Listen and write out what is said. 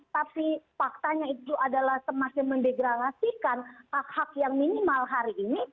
tapi faktanya itu adalah semakin mendegralasikan hak hak yang minimal hari ini